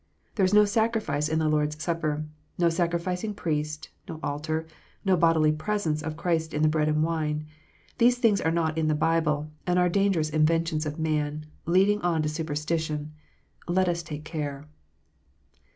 There is no sacrifice in the Lord s Supper, no sacrificing priest, no altar, no bodily "presence" of Christ in the bread and wine. These things are not in the Bible, and are dangerous inventions of man, leading on to superstition. Let us take care.